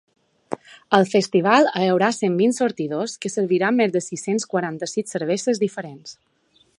Al festival hi haurà cent vint sortidors que serviran més de sis-cents quaranta-sis cerveses diferents.